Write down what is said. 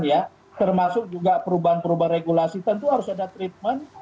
ya termasuk juga perubahan perubahan regulasi tentu harus ada treatment